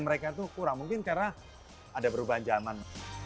mereka itu kurang mungkin karena ada perubahan zaman